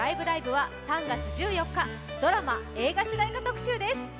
ライブ！」は３月１４日「ドラマ・映画主題歌特集！」です